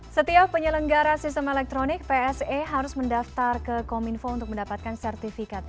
setiap penyelenggara sistem elektronik pse harus mendaftar ke kominfo untuk mendapatkan sertifikat